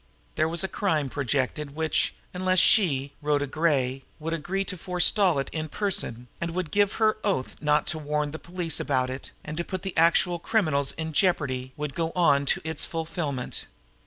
There was a crime projected which, unless she, Rhoda Gray, would agree to forestall it in person and would give her oath not to warn the police about it and so put the actual criminals in jeopardy, would go on to its fulfillment!